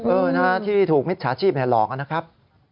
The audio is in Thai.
เออหน้าที่ถูกไม่จากประโยชน์จะหลอกล่ะนะครับ